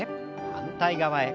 反対側へ。